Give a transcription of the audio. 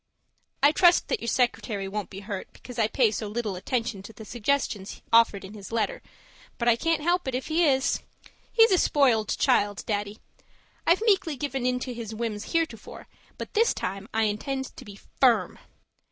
I trust that your secretary won't be hurt because I pay so little attention to the suggestions offered in his letter, but I can't help it if he is. He's a spoiled child, Daddy. I've meekly given in to his whims heretofore, but this time I intend to be FIRM.